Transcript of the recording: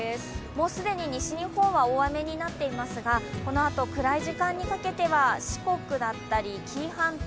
もう既に西日本は大雨になっていますがこのあとくらい時間にかけては四国だったり紀伊半島